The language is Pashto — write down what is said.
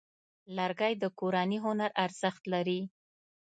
لرګی د کورني هنر ارزښت لري.